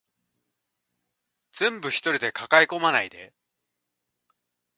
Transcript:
全部一人で抱え込まないで